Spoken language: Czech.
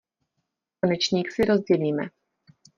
Konečník si rozdělíme.